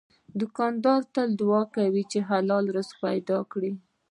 دوکاندار تل دعا کوي چې حلال روزي پیدا کړي.